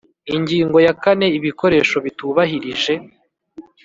Ingingo ya kane Ibikoresho bitubahirije